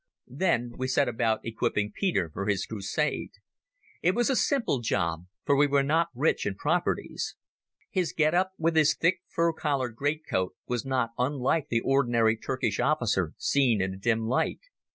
Then we set about equipping Peter for his crusade. It was a simple job, for we were not rich in properties. His get up, with his thick fur collared greatcoat, was not unlike the ordinary Turkish officer seen in a dim light.